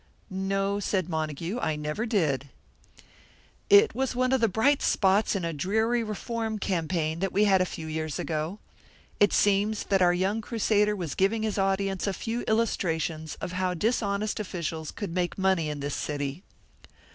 "No," said Montague, "I never did." "It was one of the bright spots in a dreary reform campaign that we had a few years ago. It seems that our young crusader was giving his audience a few illustrations of how dishonest officials could make money in this city.